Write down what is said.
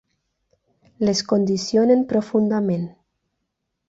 Les condicionen profundament.